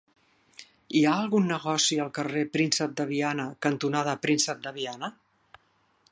Hi ha algun negoci al carrer Príncep de Viana cantonada Príncep de Viana?